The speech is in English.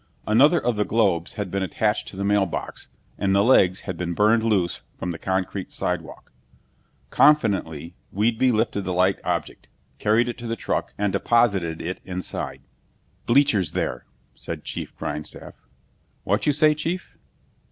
Another of the globes had been attached to the mailbox, and the legs had been burned loose from the concrete sidewalk. Confidently, Whedbee lifted the light object, carried it to the truck, and deposited it inside. "Bleachers there," said Chief Grindstaff. "What you say, chief?"